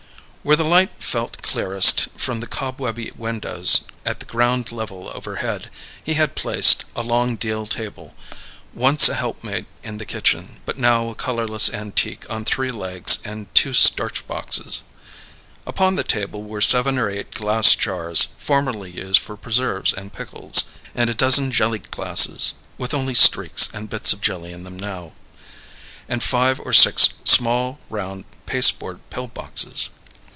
Where the light fell clearest from the cobwebby windows at the ground level overhead, he had placed a long deal table, once a helpmate in the kitchen, but now a colourless antique on three legs and two starch boxes. Upon the table were seven or eight glass jars, formerly used for preserves and pickles, and a dozen jelly glasses (with only streaks and bits of jelly in them now) and five or six small round pasteboard pill boxes.